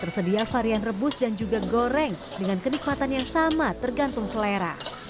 dan juga ada varian rebus dan juga goreng dengan kenikmatan yang sama tergantung selera